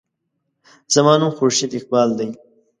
زما نوم خورشید اقبال دے.